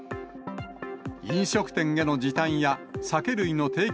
飲食店への時短や酒類の提供